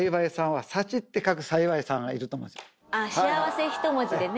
「幸せ」一文字でね。